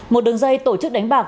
một đường dây tổ chức đánh bạc